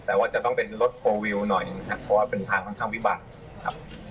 แต่ว่าจะต้องเป็นรถโฟลวิวหน่อยนะครับเพราะว่าเป็นทางค่อนข้างวิบากนะครับ